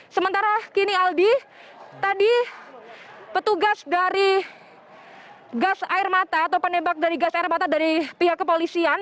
sementara kini aldi tadi petugas dari gas air mata atau penembak dari gas air mata dari pihak kepolisian